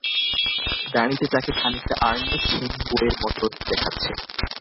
দাড়িতে তাকে খানিকটা আর্নেষ্ট হেমিংওয়ের মতো দেখাচ্ছে।